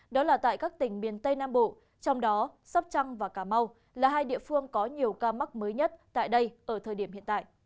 đó là tại các tỉnh miền tây nam bộ trong đó sóc trăng và cà mau là hai địa phương có nhiều ca mắc mới nhất tại đây ở thời điểm hiện tại